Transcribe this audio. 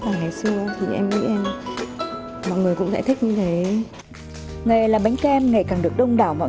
tầng ngày xưa thì em nghĩ em mọi người cũng sẽ thích như thế nghề là bánh kem ngày càng được đông đảo mọi